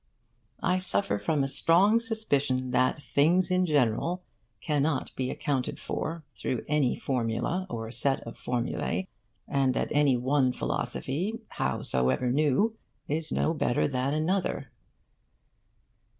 I suffer from a strong suspicion that things in general cannot be accounted for through any formula or set of formulae, and that any one philosophy, howsoever new, is no better than another.